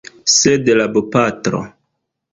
Sed la bopatro…